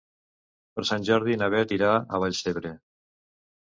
Per Sant Jordi na Beth irà a Vallcebre.